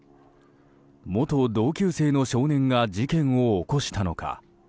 元同級生の少年が事件を起こしたのか。